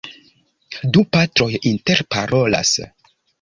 Du patroj interparolas.